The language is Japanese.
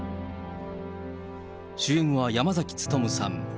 主演は山崎努さん。